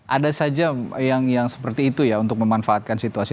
ada saja yang seperti itu ya untuk memanfaatkan situasi